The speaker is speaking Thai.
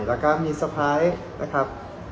แล้วก็มีสะพ้ายนะครับ